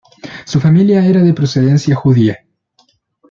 Su familia era de procedencia judía.